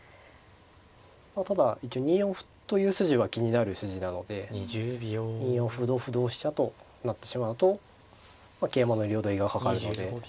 まあただ一応２四歩という筋は気になる筋なので２四歩同歩同飛車となってしまうと桂馬の両取りがかかるので。